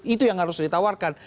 itu yang harus ditawarkan